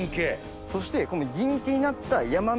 そして。